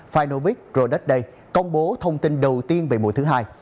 finovic product day công bố thông tin đầu tiên về mùa thứ hai